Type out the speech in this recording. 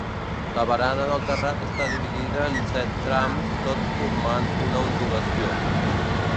La barana del terrat està dividida en set trams tot formant una ondulació.